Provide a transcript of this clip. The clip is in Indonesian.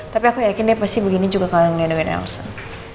tapi aku yakin dia pasti begini juga kalau ngeliatin elsen